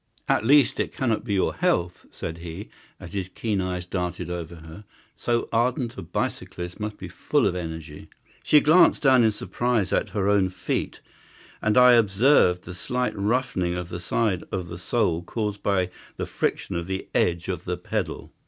"At least it cannot be your health," said he, as his keen eyes darted over her; "so ardent a bicyclist must be full of energy." She glanced down in surprise at her own feet, and I observed the slight roughening of the side of the sole caused by the friction of the edge of the pedal.